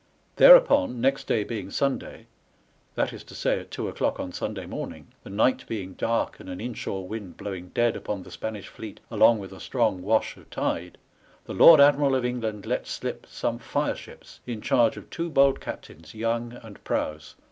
There upon, the next day being Sunday — that is to say, at two o'clock on Sunday morning — the night being dark, and an inshore wind blowing dead upon the Spanish fleet along with a strong wash of tide, the Lord Admiral of England let slip some fire ships in charge of two bold captains, Young and Prowse.